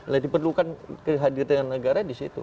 nah diperlukan kehadiran negara di situ